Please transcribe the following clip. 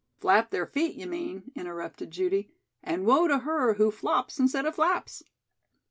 "Flap their feet, you mean," interrupted Judy, "and woe to her who flops instead of flaps."